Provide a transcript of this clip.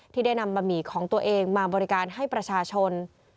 ที่ได้นำบะหมี่ของตัวเองมาบริการให้ประชาชน